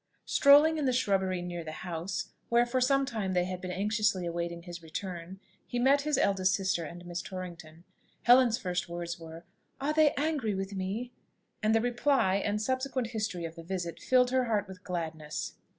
Strolling in the shrubbery near the house, where for some time they had been anxiously awaiting his return, he met his eldest sister and Miss Torrington. Helen's first words were "Are they angry with me?" and the reply, and subsequent history of the visit, filled her heart with gladness.